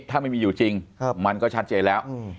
ถ้าไม่มีอยู่จริงมันก็ชัดเจนแล้ว